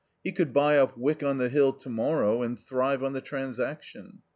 He could buy up Wyck on the Hill to morrow and thrive on the transaction.